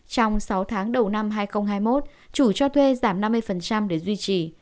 trong sáu tháng đầu năm hai nghìn hai mươi một chủ cho thuê giảm năm mươi để duy trì